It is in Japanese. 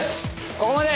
ここまで！